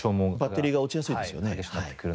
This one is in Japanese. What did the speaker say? バッテリーが落ちやすいですよね？